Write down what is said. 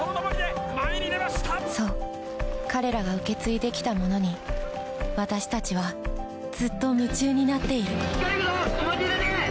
そう彼らが受け継いできたものに私たちはずっと夢中になっている・行けるぞ！